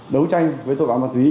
đấu tranh với tội phạm ma túy